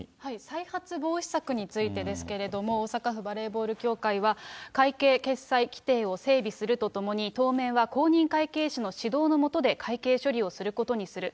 再発防止策についてですけれども、大阪府バレーボール協会は、会計決裁規定を整備するとともに、当面は公認会計士の指導の下で、会計処理をすることにする。